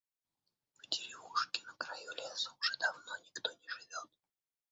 В деревушке на краю леса уже давно никто не живёт.